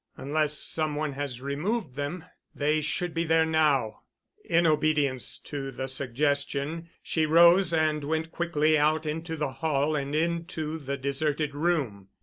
Unless some one has removed them, they should be there now——" In obedience to the suggestion, she rose and went quickly out into the hall and into the deserted room.